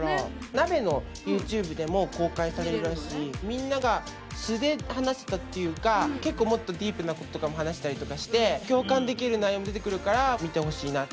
「ＮＡＢＥ」のＹｏｕＴｕｂｅでも公開されたしみんなが素で話せたっていうか結構もっとディープなこととかも話したりとかして共感できる内容も出てくるから見てほしいな。